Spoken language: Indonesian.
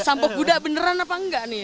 sampah kuda beneran apa enggak nih